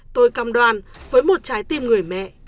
tôi cầm đoan với một trái tim người mẹ